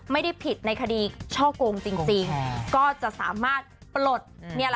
ไม่ได้ผิดในคดีช่อกงจริงก็จะสามารถปลด